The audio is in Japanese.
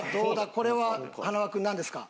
これは塙君なんですか？